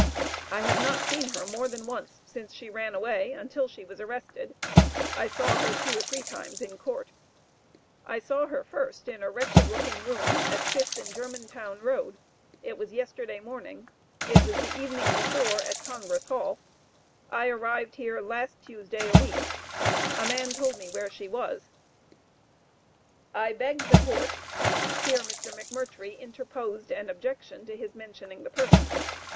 I have not seen her more than once since she ran away, until she was arrested; I saw her two or three times in court. I saw her first in a wretched looking room, at Fifth and Germantown Road; it was yesterday morning; it was the evening before at Congress Hall; I arrived here last Tuesday a week; a man told me where she was" "I beg the court," here Mr. McMurtrie interposed an objection to his mentioning the person.